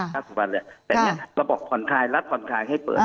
แต่เนี่ยระบบผ่อนคลายรัฐผ่อนคลายให้เปิด